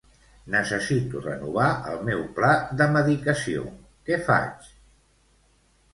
Necessito renovar el meu pla de medicació, què faig?